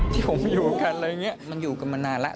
ที่ผมอยู่กันอะไรอย่างนี้มันอยู่กันมานานแล้ว